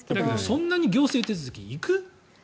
そんなに行政手続き行く？